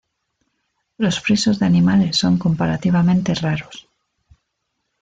Los frisos de animales son comparativamente raros.